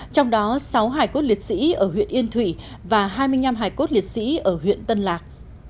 trong đó sáu hải cốt liệt sĩ ở huyện yên thủy và hai mươi năm hải cốt liệt sĩ ở huyện tân lạc